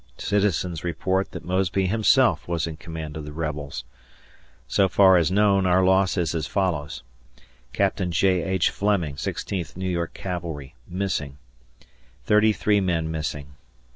Citizens report that Mosby himself was in command of the rebels. So far as known, our loss is as follows: Captain J. H. Fleming, Sixteenth New York Cavalry, missing; thirty three men missing.